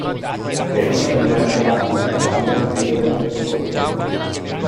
È una delle otto razze di cavallo native del Giappone.